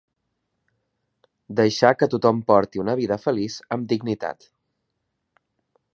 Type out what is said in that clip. Deixar que tothom porti una vida feliç amb dignitat.